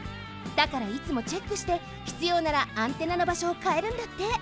だからいつもチェックしてひつようならアンテナのばしょをかえるんだって。